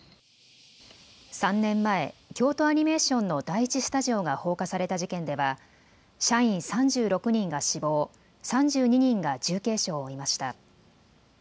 ３年前、京都アニメーションの第１スタジオが放火された事件では社員３６人が死亡、３２人が重軽傷を負いました。